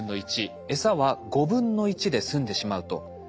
エサは５分の１で済んでしまうと。